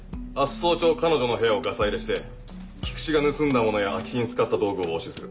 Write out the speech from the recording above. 早朝彼女の部屋をガサ入れして菊池が盗んだものや空き巣に使った道具を押収する。